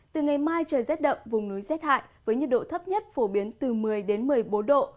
từ ngày mai trời rét đậm vùng núi rét hại với nhiệt độ thấp nhất phổ biến từ một mươi đến một mươi bốn độ